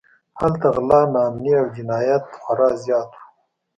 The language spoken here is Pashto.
هلته غلا، ناامنۍ او جنایت خورا زیات و.